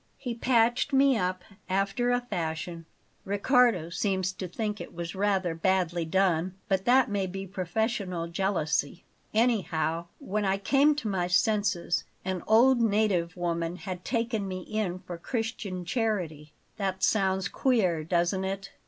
He patched me up after a fashion Riccardo seems to think it was rather badly done, but that may be professional jealousy. Anyhow, when I came to my senses, an old native woman had taken me in for Christian charity that sounds queer, doesn't it?